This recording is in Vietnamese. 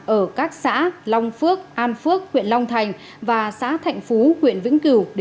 ở các xã long phước an phước huyện long thành và xã thạnh văn